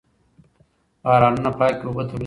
بارانونه پاکې اوبه تولیدوي.